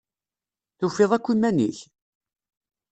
Tufiḍ akk iman-ik?